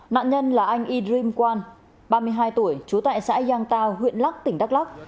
nạn nhân là anh i dream quan ba mươi hai tuổi trú tại xã giang tao huyện lắc tỉnh đắk lắc